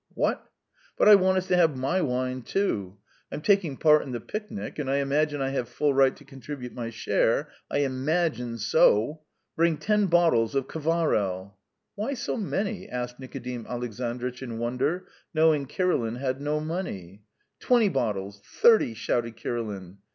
"What? But I want us to have my wine, too; I'm taking part in the picnic and I imagine I have full right to contribute my share. I im ma gine so! Bring ten bottles of kvarel." "Why so many?" asked Nikodim Alexandritch, in wonder, knowing Kirilin had no money. "Twenty bottles! Thirty!" shouted Kirilin.